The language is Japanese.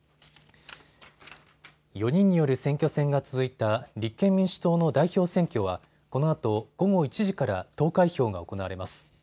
４人による選挙戦が続いた立憲民主党の代表選挙はこのあと午後１時から投開票が行われます。